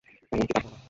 এমনকি তাকেও নয়।